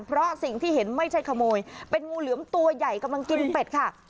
เพราะสิ่งที่เห็นไม่ใช่ขโมยเป็นงูเหลือมตัวใหญ่กำลังกินเป็ดค่ะ